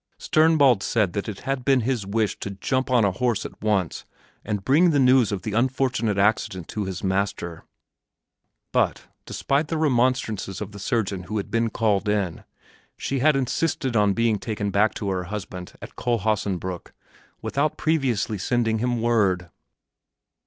Sternbald said that it had been his wish to jump on a horse at once and bring the news of the unfortunate accident to his master, but, in spite of the remonstrances of the surgeon who had been called in, she had insisted on being taken back to her husband at Kohlhaasenbrück without previously sending him word.